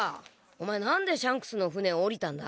お前何でシャンクスの船を下りたんだ？」